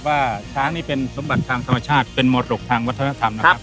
ว่าช้างนี่เป็นสมบัติทางธรรมชาติเป็นมรดกทางวัฒนธรรมนะครับ